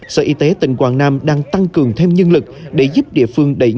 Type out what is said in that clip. sở y tế tỉnh quảng nam đang tăng cường thêm nhân lực để giúp địa phương đẩy nhanh